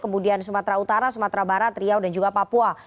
kemudian sumatera utara sumatera barat riau dan juga papua